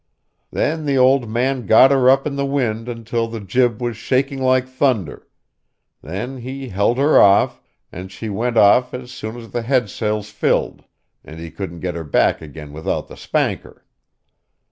Then the old man got her up in the wind until the jib was shaking like thunder; then he held her off, and she went off as soon as the head sails filled, and he couldn't get her back again without the spanker.